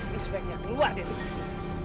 lu sebaiknya keluar dari sini